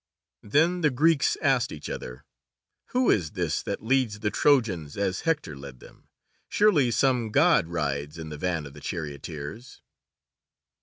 Then the Greeks asked each other, "Who is this that leads the Trojans as Hector led them, surely some God rides in the van of the charioteers!"